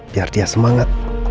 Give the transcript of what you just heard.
biar dia semangat